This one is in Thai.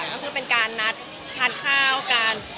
ก็คือเป็นการนัดทานข้าวกัน